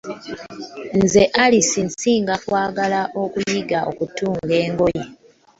Nze Alisi nsinga okwagala okuyiga okutunga engoye.